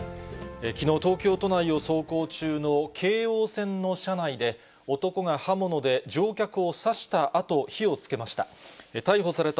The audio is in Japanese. きのう、東京都内を走行中の京王線の車内で、男が刃物で乗客を刺したあと、火をつけました。